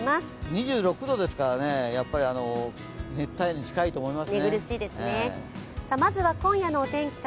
２６度ですからね、やっぱり熱帯夜に近いと思います。